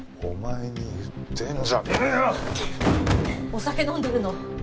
お酒飲んでるの？